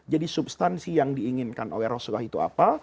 jadi substansi yang diinginkan oleh rasulullah itu apa